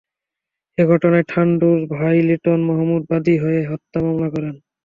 এ ঘটনায় ঠান্ডুর ভাই লিটন মাহমুদ বাদী হয়ে হত্যা মামলা করেন।